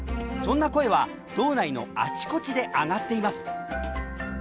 そんな声は道内のあちこちで上がっています。